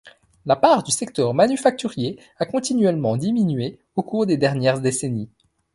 La part du secteur manufacturier a continuellement diminué au cours des dernières décennies.